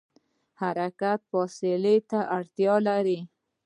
حرکت فاصلې ته اړتیا لري.